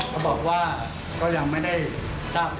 เค้าบอกว่าค่อยยังไม่ได้ทราบ